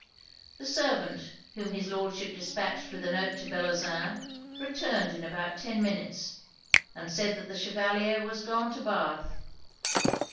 The servant whom his Lordship dispatched with a note to Bellozane, returned in about ten minutes, and said that the Chevalier was gone to Bath.